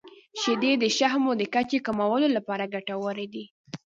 • شیدې د شحمو د کچې کمولو لپاره ګټورې دي.